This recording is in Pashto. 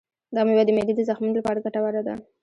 دا مېوه د معدې د زخمونو لپاره ګټوره ده.